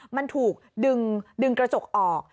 มันถูกดึงกระจกออก